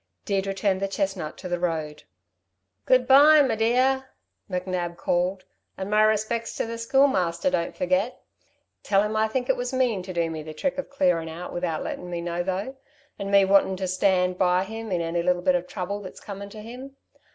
Deirdre turned the chestnut to the road. "Good bye, me dear," McNab called. "And my respects to the Schoolmaster, don't forget! Tell him I think it was mean to do me the trick of clearin' out without lettin' me know though, 'n me wantin' to stand by him in any little bit of trouble that's comin' to him.